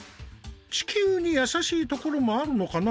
地球にやさしいところもあるのかな？